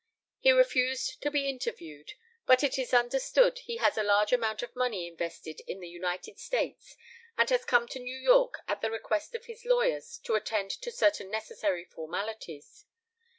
He refused to be interviewed, but it is understood he has a large amount of money invested in the United States and has come to New York at the request of his lawyers to attend to certain necessary formalities.